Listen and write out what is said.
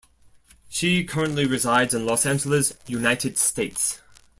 She currently resides in Los Angeles, United States.